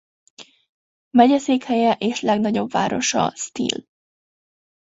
Megyeszékhelye és legnagyobb városa Steele.